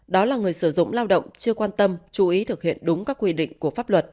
đó là người sử dụng lao động chưa quan tâm chú ý thực hiện đúng các quy định của pháp luật